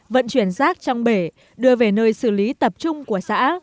vận chuyển rác trong bể đưa về nơi xử lý tập trung của xã